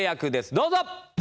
どうぞ！